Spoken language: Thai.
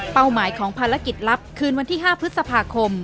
หมายของภารกิจลับคืนวันที่๕พฤษภาคม